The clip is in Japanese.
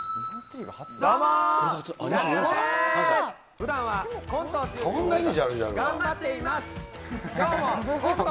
ふだんはコントを中心に頑張っています。